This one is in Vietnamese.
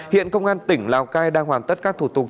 hiện công an tỉnh lào cai đang hoàn tất các thủ tục